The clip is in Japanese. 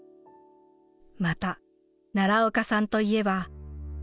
また奈良岡さんといえば。